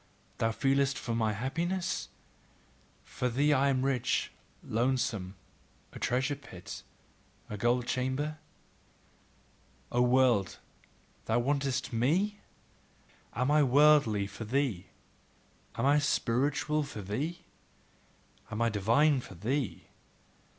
Thou feelest for my happiness? For thee am I rich, lonesome, a treasure pit, a gold chamber? O world, thou wantest ME? Am I worldly for thee? Am I spiritual for thee? Am I divine for thee?